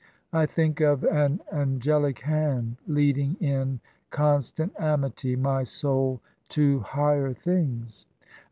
I think of an angelic hand leading in constant amity my soul to higher things.